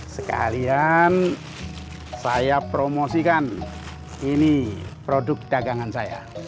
sekalian saya promosikan ini produk dagangan saya